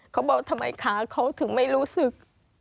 เขาบอกทำไมขาเขาถึงไม่รู้สึก